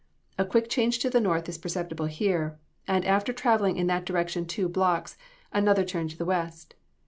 A quick change to the north is perceptible here, and after traveling in that direction two blocks, another turn to the west.